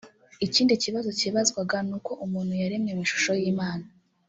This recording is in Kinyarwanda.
Ikindi kibazo cyibazwaga ni uko umuntu yaremwe mu ishusho y’Imana